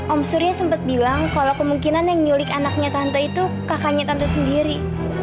om surya sempat bilang kalau kemungkinan yang nyulik anaknya tante itu kakaknya tante sendiri